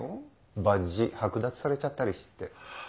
バッジ剥奪されちゃったりして。